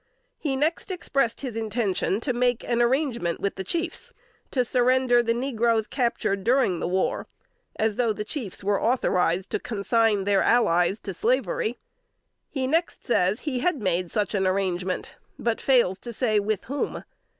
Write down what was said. He next expressed his intention to make an arrangement with the chiefs to surrender negroes captured during the war as though the chiefs were authorized to consign "their allies" to slavery. He next says he had made such an arrangement, but fails to say with whom.